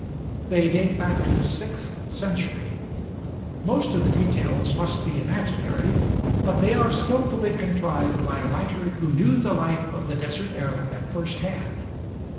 They date back to the sixth century. Most of the details must be imaginary, but they are skillfully contrived by a writer who knew the life of the desert Arab at first hand.